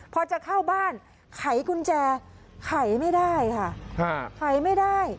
พอจะเข้าบ้านไขกุญแจไขไม่ได้ค่ะ